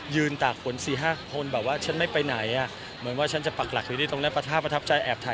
ยืนตากผม๔๕คนก็แบบว่าฉันไม่ไปไหนน่ะเหมือนว่าฉันจะปรักหลักแค่ที่ตรงแล้งประทับไปถ่ายรูปไป